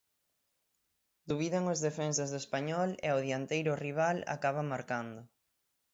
Dubidan os defensas do Español e o dianteiro rival acaba marcando.